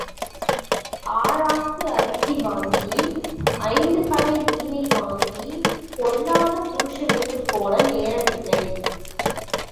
ஆழாக்கு அரிசி வாங்கி ஐந்து கடை மீனை வாங்கிப் பொல்லாத புருஷனுக்குப் போட நேரம் இல்லை.